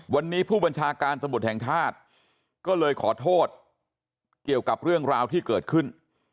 วันนี้ผู้บัญชาการตำรวจแห่งชาติก็เลยขอโทษเกี่ยวกับเรื่องราวที่เกิดขึ้น